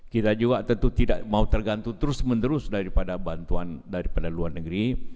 kita juga tentu tidak mau tergantung terus menerus daripada bantuan daripada luar negeri